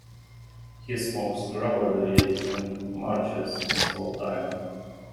He smokes gravely and marches in slow time.